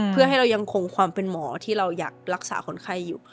เพื่อให้เรายังคงความเป็นหมอที่เราอยากรักษาคนไข้อยู่